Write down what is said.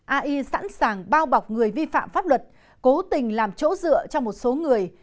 ai sẵn sàng bao bọc người vi phạm pháp luật cố tình làm chỗ dựa cho một số người